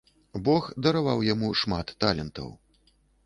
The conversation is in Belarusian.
Бог дараваў яму шмат талентаў.